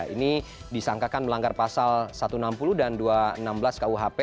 ini disangkakan melanggar pasal satu ratus enam puluh dan dua ratus enam belas kuhp